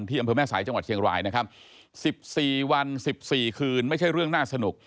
อำเภอแม่สายจังหวัดเชียงรายนะครับ๑๔วัน๑๔คืนไม่ใช่เรื่องน่าสนุก